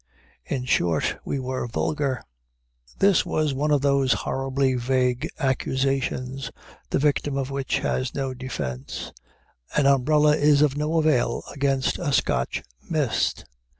In short, we were vulgar. This was one of those horribly vague accusations, the victim of which has no defense. An umbrella is of no avail against a Scotch mist.